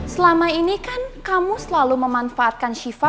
selama ini kan kamu selalu memanfaatkan shiva